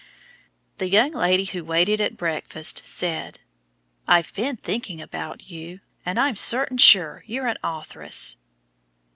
The young "lady" who waited at breakfast said, "I've been thinking about you, and I'm certain sure you're an authoress."